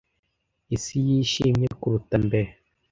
Isi yishimye kuruta mbere!